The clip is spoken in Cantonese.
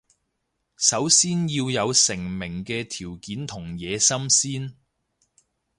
首先要有成名嘅條件同野心先